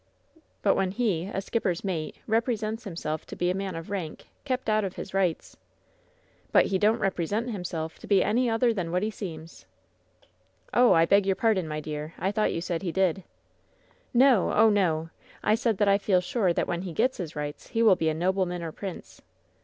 "But when he, a skipper's mate, represents himself to be a man of rank, kept out of his rights " "But he don't represent himself to be any other than what he seems!" "Oh, I beg your pardon, my dear! I thought you said he did." "l!^o; oh, no! I said that I feel sure that when he gets his rights, he will be a nobleman or a prince!"